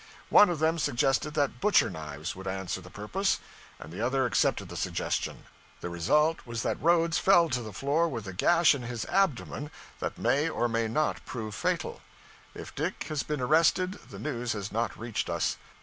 One of them suggested that butcher knives would answer the purpose, and the other accepted the suggestion; the result was that Roads fell to the floor with a gash in his abdomen that may or may not prove fatal. If Dick has been arrested, the news has not reached us.